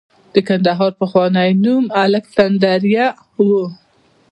د کندهار پخوانی نوم الکسندریا و